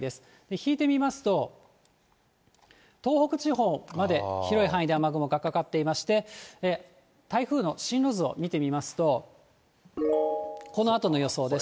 引いて見ますと、東北地方まで広い範囲で雨雲がかかっていまして、台風の進路図を見てみますと、このあとの予想です。